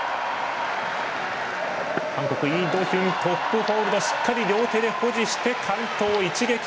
韓国、イ・ドヒュントップホールド、しっかり両手で保持して完登、一撃！